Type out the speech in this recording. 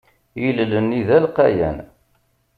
Ilel-nni d alqayan.